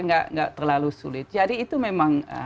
nggak terlalu sulit jadi itu memang